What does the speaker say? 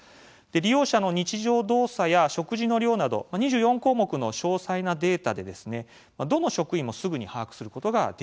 利用者の日常動作や食事の量など２４項目の詳細なデータでどの職員もすぐに把握することができます。